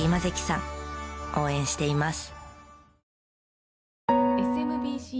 応援しています！